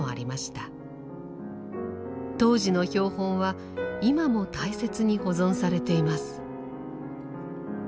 当時の標本は今も大切に保存されています。